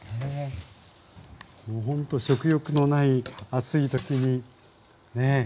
ほんと食欲のない暑い時にねえ。